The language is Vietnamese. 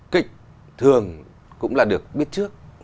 kịch thường cũng là được biết trước